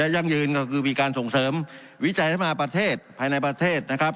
ยั่งยืนก็คือมีการส่งเสริมวิจัยพัฒนาประเทศภายในประเทศนะครับ